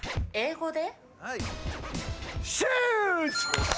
英語で？